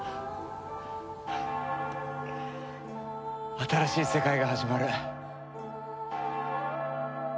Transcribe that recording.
新しい世界が始まる。